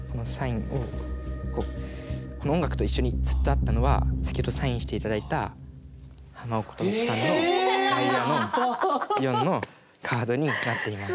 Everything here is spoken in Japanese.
この音楽と一緒にずっとあったのは先ほどサインして頂いたハマ・オカモトさんのダイヤの４のカードになっています。